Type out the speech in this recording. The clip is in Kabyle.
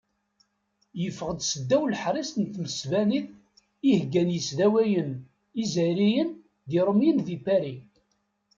Yeffeɣ-d s ddaw leḥṛis n tmesbanit i heggan yisdawanen izzayriyen d iṛumyen di Pari.